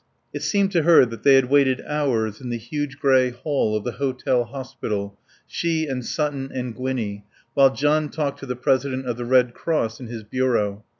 It seemed to her that they had waited hours in the huge grey hall of the Hotel Hospital, she and Sutton and Gwinnie, while John talked to the President of the Red Cross in his bureau.